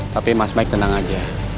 tapi mas mike tenang aja